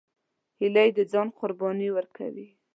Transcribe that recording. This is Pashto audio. هیلۍ د ځان قرباني ورکوي